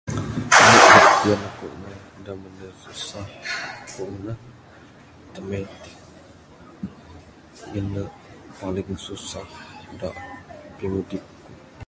homework da tiyan aku ngunah da mene susah aku ngunah... matematik...ngin ne paling susah da pimudip.